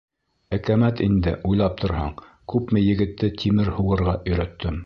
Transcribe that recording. Әкәмәт инде, уйлап торһаң, күпме егетте тимер һуғырға өйрәттем.